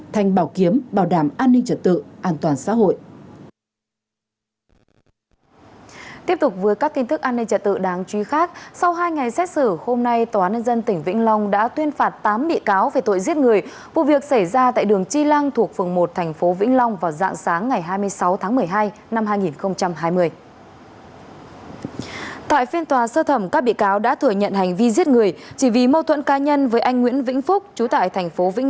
thành bảo kiếm bảo đảm an ninh trật tự an toàn xã hội